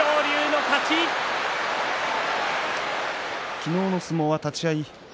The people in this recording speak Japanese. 昨日の相撲は立ち合い